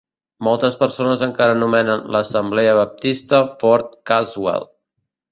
Moltes persones encaren anomenen l"assemblea baptista "Fort Caswell".